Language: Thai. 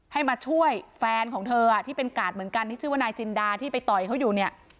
ให้มาช่วยแฟนของเธอที่เป็นกาดเหมือนกันที่ชื่อว่านายจินดาที่ไปต่อยเขาอยู่เนี่ย